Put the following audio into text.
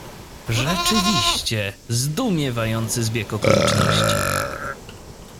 "Rzeczywiście, zdumiewający zbieg okoliczności!"